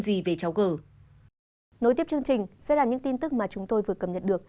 nói tiếp chương trình sẽ là những tin tức mà chúng tôi vừa cầm nhận được